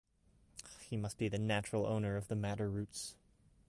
He must be the natural owner of the madder roots.